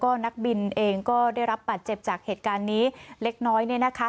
ก็นักบินเองก็ได้รับบาดเจ็บจากเหตุการณ์นี้เล็กน้อยเนี่ยนะคะ